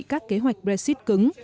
các kế hoạch brexit cứng